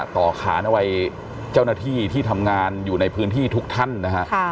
ขานเอาไว้เจ้าหน้าที่ที่ทำงานอยู่ในพื้นที่ทุกท่านนะฮะ